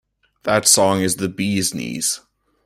That song is the bee’s knees.